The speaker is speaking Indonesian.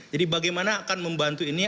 jadi bagaimana akan membantu ini